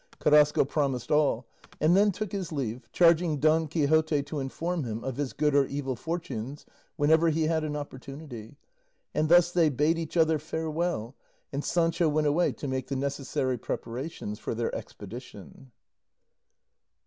Carrasco promised all, and then took his leave, charging Don Quixote to inform him of his good or evil fortunes whenever he had an opportunity; and thus they bade each other farewell, and Sancho went away to make the necessary preparations for their expedition.